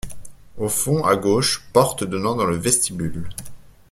Au fond, à gauche, porte donnant dans le vestibule.